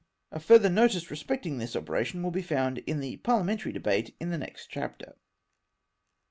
A further notice respecting this operation will be found in the parliamentary debate in the next chapter.